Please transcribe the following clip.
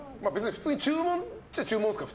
注文っちゃ注文ですから。